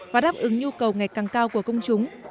và đáp ứng nhu cầu ngày càng cao của công chúng